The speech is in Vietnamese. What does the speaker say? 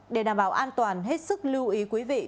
để đảm bảo an toàn hết sức lưu ý quý vị